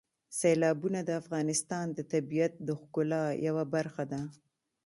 سیلابونه د افغانستان د طبیعت د ښکلا یوه برخه ده.